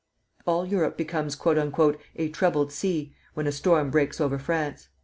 All Europe becomes "a troubled sea" when a storm breaks over France.